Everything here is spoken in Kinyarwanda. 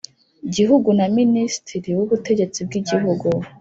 Gihugu na minisitiri w ubutegetsi bw igihugu